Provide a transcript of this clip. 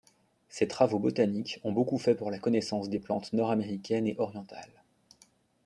Ses travaux botaniques ont beaucoup fait pour la connaissance des plantes nord-américaines et orientales.